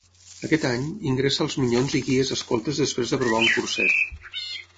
Aquest any, ingressa als Minyons i Guies Escoltes després d’aprovar un curset.